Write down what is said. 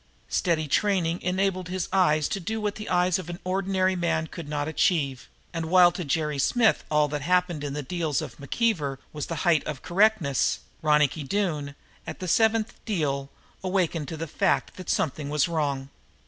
Steady training enabled his eyes to do what the eyes of the ordinary man could not achieve, and, while to Jerry Smith all that happened in the deals of McKeever was the height of correctness, Ronicky Doone, at the seventh deal, awakened to the fact that something was wrong.